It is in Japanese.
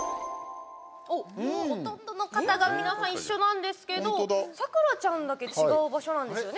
ほとんどの方が皆さん一緒なんですけど咲楽ちゃんだけ違う場所なんですよね。